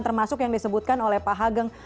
termasuk yang disebutkan oleh pak hageng